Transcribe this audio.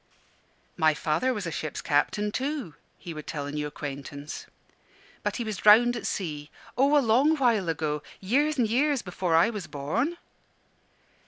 "My father was a ship's captain, too," he would tell a new acquaintance, "but he was drowned at sea oh, a long while ago; years and years before I was born."